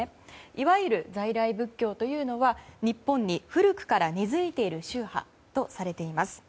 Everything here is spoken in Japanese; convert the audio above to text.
いわゆる在来仏教というのは日本に古くから根付いている宗派とされています。